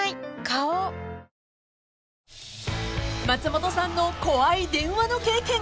花王［松本さんの怖い電話の経験］